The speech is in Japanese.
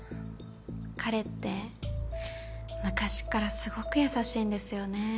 彼って昔からすごく優しいんですよね。